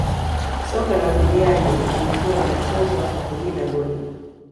soka la kujiami lilikuwa linachezwa kwa kulinda goli